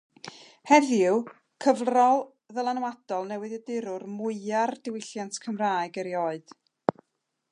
Heddiw, cyfrol ddylanwadol newyddiadurwr mwya'r diwylliant Cymraeg erioed.